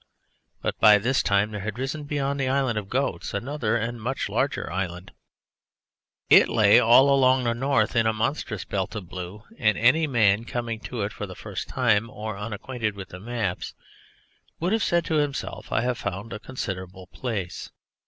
But by this time there had risen beyond the Island of Goats another and much larger land. It lay all along the north in a mountainous belt of blue, and any man coming to it for the first time or unacquainted with maps would have said to himself: "I have found a considerable place."